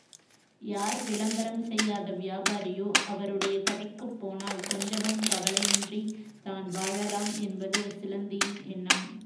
யார் விளம்பரம் செய்யாத வியாபாரியோ அவருடைய கடைக்குப் போனால் கொஞ்சமும் கவலையின்றி தான் வாழலாம் என்பது சிலந்தியின் எண்ணம்.